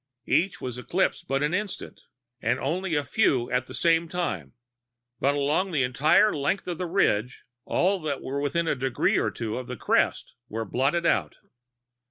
Each was eclipsed but an instant, and only a few at the same time, but along the entire length of the ridge all that were within a degree or two of the crest were blotted out.